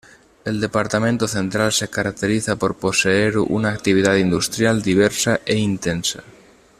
El Departamento Central se caracteriza por poseer una actividad industrial diversa e intensa.